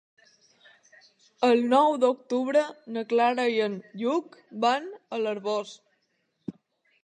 El nou d'octubre na Clara i en Lluc van a l'Arboç.